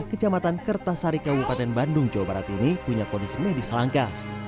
kecamatan kertasari kabupaten bandung jawa barat ini punya kondisi medis langka